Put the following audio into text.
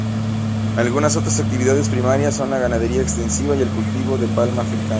Algunas otras actividades primarias son la ganadería extensiva y el cultivo de palma africana.